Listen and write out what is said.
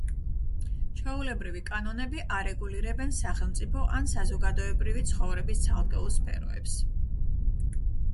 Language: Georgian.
ჩვეულებრივი კანონები არეგულირებენ სახელმწიფო ან საზოგადოებრივი ცხოვრების ცალკეულ სფეროებს.